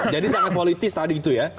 jadi sangat politis tadi itu ya